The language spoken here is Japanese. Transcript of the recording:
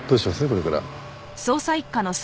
これから。